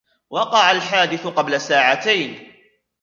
وقع الحادث قبل ساعتين.